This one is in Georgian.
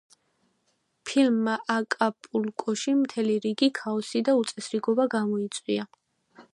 ფილმმა აკაპულკოში მთელი რიგი ქაოსი და უწესრიგობა გამოიწვია.